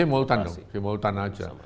semultan dong simultan saja